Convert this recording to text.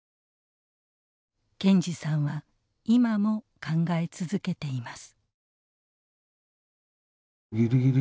健二さんは今も考え続けています。